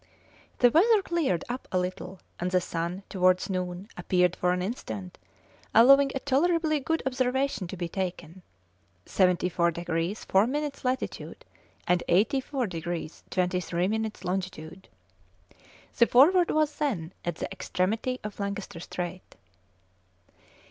The weather cleared up a little, and the sun, towards noon, appeared for an instant, allowing a tolerably good observation to be taken; 74 degrees 4 minutes latitude and 84 degrees 23 minutes longitude. The Forward was then at the extremity of Lancaster Strait.